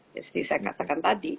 just like saya katakan tadi